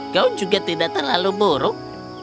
kau juga tidak terlalu buruk